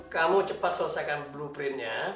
kamu cepat selesaikan blueprintnya